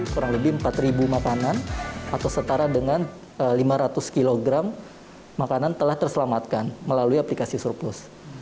kurang lebih empat makanan atau setara dengan lima ratus kg makanan telah terselamatkan melalui aplikasi surplus